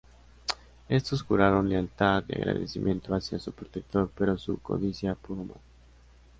Estos juraron lealtad y agradecimiento hacia su protector pero su codicia pudo más.